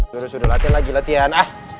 sudah sudah latihan lagi latihan